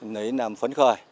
nấy làm phấn khởi